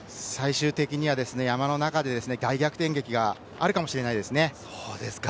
最終的には山の中で大逆転劇があるかもしれないですね。